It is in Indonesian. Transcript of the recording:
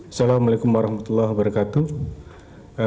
assalamualaikum warahmatullahi wabarakatuh